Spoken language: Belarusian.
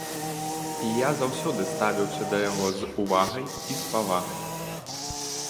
І я заўсёды ставіўся да яго з увагай і з павагай.